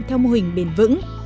theo mô hình bền vững